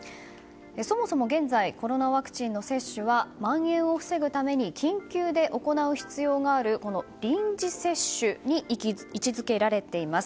そもそも現在コロナワクチンの接種はまん延を防ぐために緊急で行う必要がある臨時接種に位置づけられています。